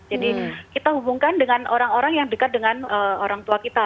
jadi kita hubungkan dengan orang orang yang dekat dengan orang tua kita